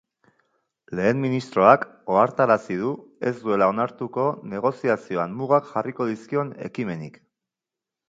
Lehen ministroak ohartarazi du ez duela onartuko negoziazioan mugak jarriko dizkion ekimenik.